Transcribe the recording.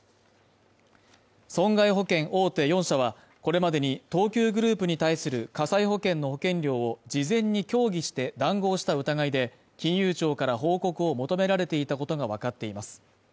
損害保険大手４社はこれまでに東急グループに対する火災保険の保険料を事前に協議して談合した疑いで金融庁から報告を求められていたことが分かっています